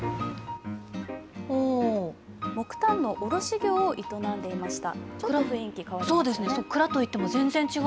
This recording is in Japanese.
木炭の卸業を営んでいました。